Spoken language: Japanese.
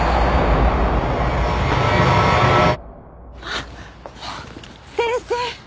あっ先生。